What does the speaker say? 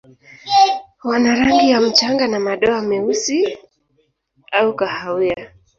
Wana rangi ya mchanga na madoa meusi au kahawia.